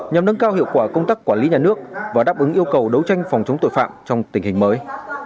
nhằm nâng cao hiệu quả công tác quản lý nhà nước và đáp ứng yêu cầu đấu tranh phòng chống tội phạm trong tình hình mới